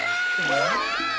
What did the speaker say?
うわ！